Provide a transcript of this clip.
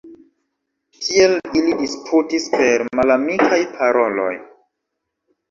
Tiel ili disputis per malamikaj paroloj.